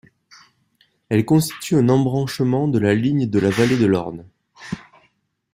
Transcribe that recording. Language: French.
Elle constitue un embranchement de la ligne de la vallée de l'Orne.